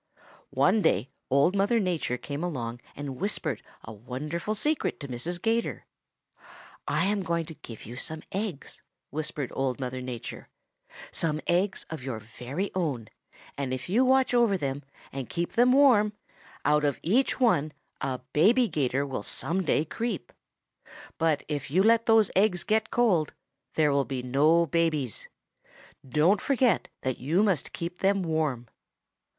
"One day Old Mother Nature came along and whispered a wonderful secret to Mrs. 'Gator. 'I am going to give you some eggs,' whispered Old Mother Nature, 'some eggs of your very own, and if you watch over them and keep them warm, out of each one a baby 'Gator will some day creep. But if you let those eggs get cold, there will be no babies. Don't forget that you must keep them warm.'